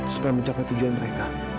supaya mencapai tujuan mereka